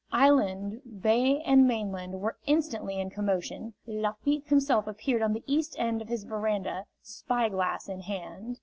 Island, bay and mainland were instantly in commotion. Lafitte himself appeared on the east end, of his veranda, spy glass in hand.